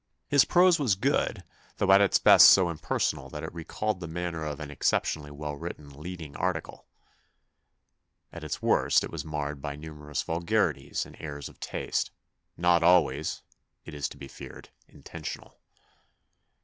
His prose was good, though' at its best so impersonal that it recalled the manner of an exceptionally well written lead ing article. At its worst it was marred by numerous vulgarities and errors of taste, not always, it is to be feared, intentional.